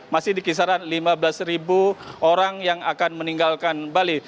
masih di kisaran lima belas orang yang akan meninggalkan bali